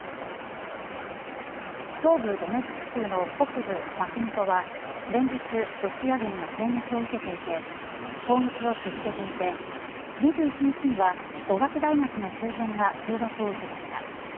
東部ドネツク州の北部バフムトは連日ロシア軍が攻撃を受けていて攻撃を続けていて２１日には、語学大学の周辺が空爆を受けました。